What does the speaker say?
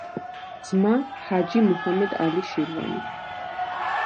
ძმა ჰაჯი მუჰამედ ალი შირვანი.